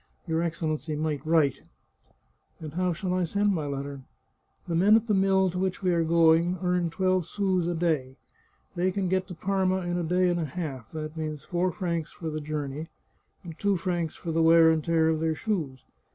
Your Excellency might write." "And how shall I send my letter?" " The men at the mill to which we are going earn twelve sous a day ; they can get to Parma in a day and a half — that means four francs for the journey, and two francs for the wear and tear of their shoes.